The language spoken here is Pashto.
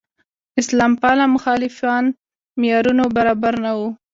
اسلام پاله مخالفان معیارونو برابر نه وو.